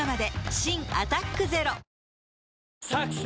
新「アタックＺＥＲＯ」「サクセス」